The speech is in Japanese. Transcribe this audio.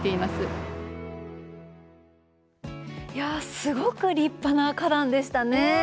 すごく立派な花壇でしたね。